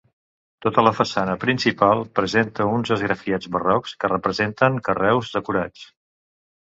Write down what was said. Tota la façana principal presenta uns esgrafiats barrocs que representen carreus decorats.